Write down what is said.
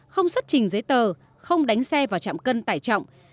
không xuất trình giấy tờ không đánh xe vào trạm cân tải trọng